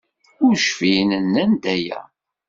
Ur cfin nnan-d aya.